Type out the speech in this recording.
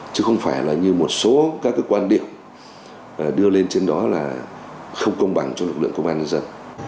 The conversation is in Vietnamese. chứ không phải là như một số các quan điểm đưa lên trên đó là không công bằng cho lực lượng công an nhân dân